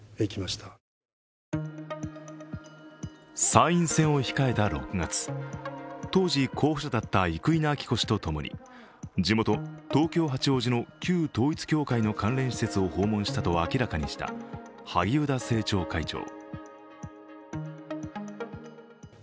参院選を控えた６月、当時候補者だった生稲晃子氏とともに、地元、東京・八王子の旧統一教会の関連施設を訪問したと明らかにした萩生田政調会長。